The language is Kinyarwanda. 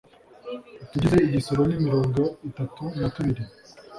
utugize igisoro ni mirongo itatu na tubiri